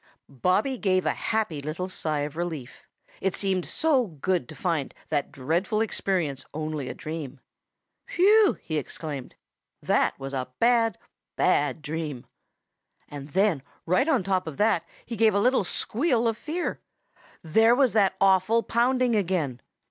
Bobby gave a happy little sigh of relief, it seemed so good to find that dreadful experience only a dream. "Phew!" he exclaimed. "That was a bad, bad dream!" And then right on top of that he gave a little squeal of fear. There was that awful pounding again!